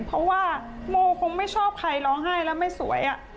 เพราะว่าโมคงไม่ชอบใครร้องไห้แล้วไม่สวย